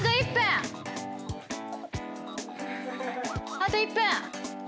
あと１分。